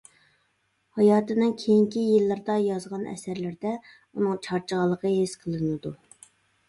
ھاياتىنىڭ كېيىنكى يىللىرىدا يازغان ئەسەرلىرىدە ئۇنىڭ چارچىغانلىقى ھېس قىلىنىدۇ.